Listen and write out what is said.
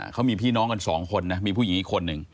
เขามีพี่น้องกันสองคนนะมีผู้หญิงอีกคนนึง